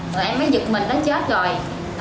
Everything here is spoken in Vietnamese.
rồi em mới giựt mình tới chết rồi